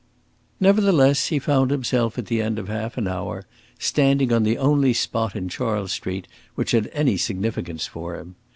Nevertheless, he found himself, at the end of half an hour, standing on the only spot in Charles Street which had any significance for him.